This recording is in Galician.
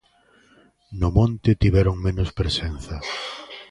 No monte tiveron menos presenza.